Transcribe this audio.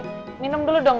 masih minum dulu dong